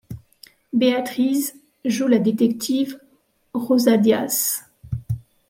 Beatriz joue la détective Rosa Diaz.